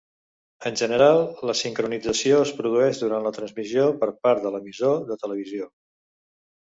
En general, la sincronització es produeix durant la transmissió per part de l’emissor de televisió.